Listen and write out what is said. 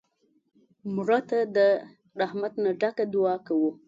مړه ته د رحمت نه ډکه دعا کوو